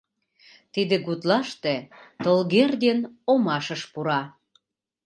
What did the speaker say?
Тиде гутлаште Толгердин омашыш пура.